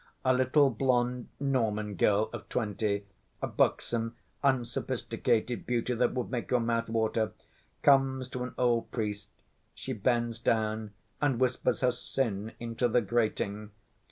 A little blonde Norman girl of twenty—a buxom, unsophisticated beauty that would make your mouth water—comes to an old priest. She bends down and whispers her sin into the grating.